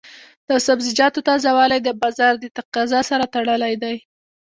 د سبزیجاتو تازه والی د بازار د تقاضا سره تړلی دی.